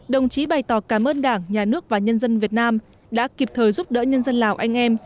đồng chí bày tỏ cảm ơn đảng nhà nước và nhân dân việt nam đã kịp thời giúp đỡ nhân dân lào anh em